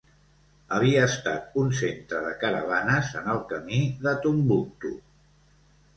Havia estat un centre de caravanes en el camí de Tombouctou.